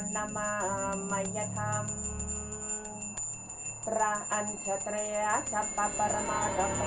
ความความสุขแก่ที่ทุกคนสำคัญของสุภาพปี